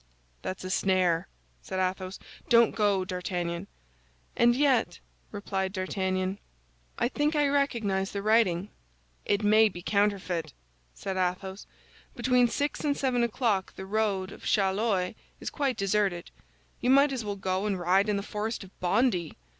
"That's a snare," said Athos; "don't go, D'Artagnan." "And yet," replied D'Artagnan, "I think I recognize the writing." "It may be counterfeit," said Athos. "Between six and seven o'clock the road of Chaillot is quite deserted; you might as well go and ride in the forest of Bondy."